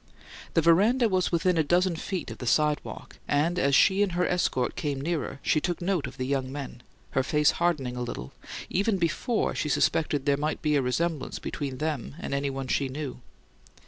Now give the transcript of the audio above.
The veranda was within a dozen feet of the sidewalk, and as she and her escort came nearer, she took note of the young men, her face hardening a little, even before she suspected there might be a resemblance between them and any one she knew.